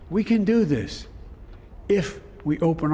kita bisa melakukan ini